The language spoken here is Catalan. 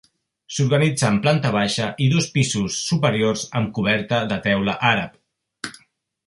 S'organitza en planta baixa i dos pisos superiors amb coberta de teula àrab.